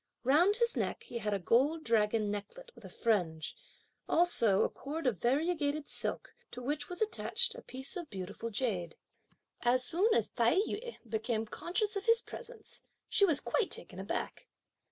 Round his neck he had a gold dragon necklet with a fringe; also a cord of variegated silk, to which was attached a piece of beautiful jade. As soon as Tai yü became conscious of his presence, she was quite taken aback.